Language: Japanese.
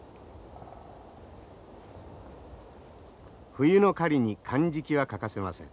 冬の狩りにかんじきは欠かせません。